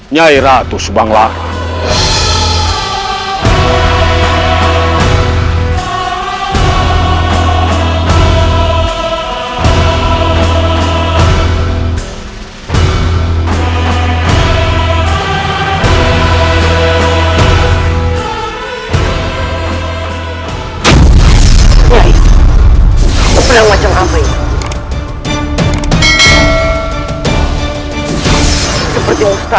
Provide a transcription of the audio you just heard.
nyai ratu subanglar